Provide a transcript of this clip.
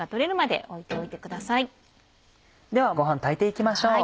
ではご飯炊いて行きましょう。